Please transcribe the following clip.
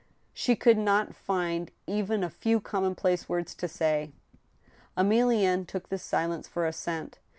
She could not find even a few commonplace words to say. Emilienne took this silence for assent.